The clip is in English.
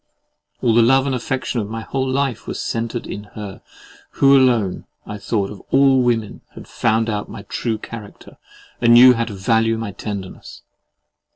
All the love and affection of my whole life were centred in her, who alone, I thought, of all women had found out my true character, and knew how to value my tenderness.